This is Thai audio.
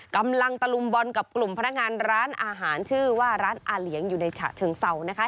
กำลังตะลุมบอลกับกลุ่มพนักงานร้านอาหารชื่อว่าร้านอาเหลียงอยู่ในฉะเชิงเศร้านะคะ